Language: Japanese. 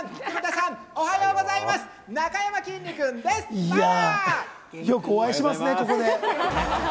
いや、よくお会いますね、ここで。